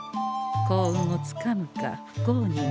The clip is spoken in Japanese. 幸運をつかむか不幸になるか。